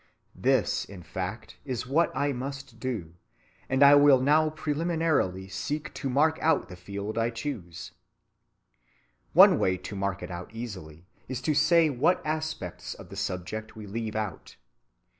This, in fact, is what I must do, and I will now preliminarily seek to mark out the field I choose. One way to mark it out easily is to say what aspects of the subject we leave out.